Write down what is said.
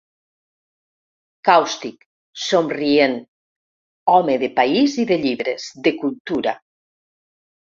Càustic, somrient, home de país i de llibres, de cultura.